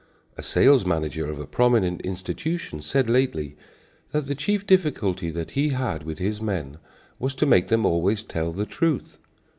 A sales manager of a prominent institution said lately that the chief difficulty that he had with his men was to make them always tell the truth.